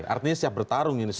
artinya siap bertarung ini